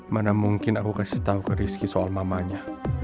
mana mungkin aku kasih tahu ke rizky soal mamanya